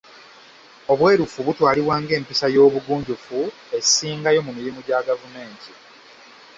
Obwerufu butwalibwa ng'empisa y'obugunjufu esingayo mu mirimu gya gavumenti.